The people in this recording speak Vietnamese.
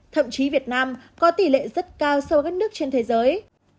thậm chí việt nam có tỷ lệ rất cao so với các nước trên thế giới